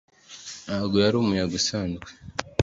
ntabwo yari umuyaga usanzwe